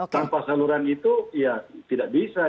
tanpa saluran itu ya tidak bisa